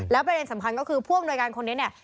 ประเด็นสำคัญก็คือผู้อำนวยการคนนี้เนี่ย